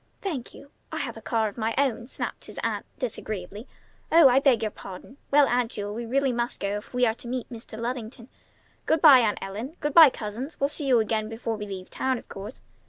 "Thank you! I have a car of my own!" snapped his aunt disagreeably. "Oh! I beg your pardon! Well, Aunt Jewel, we really must go if we are to meet Mr. Luddington. Good by, Aunt Ellen! Good by, cousins! We'll see you again before we leave town, of course.